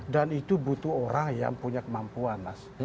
dan itu butuh orang yang punya kemampuan mas